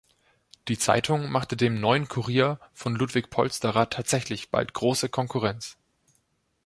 Die Zeitung machte dem "Neuen Kurier" von Ludwig Polsterer tatsächlich bald große Konkurrenz.